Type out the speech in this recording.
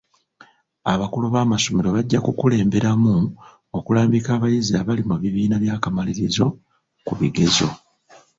Abakulu b'amasomero bajja kukulemberamu okulambika abayizi abali mu bibiina by'akamaliririzo ku bigezo.